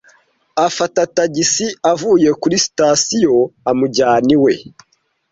Afata tagisi avuye kuri sitasiyo amujyana iwe.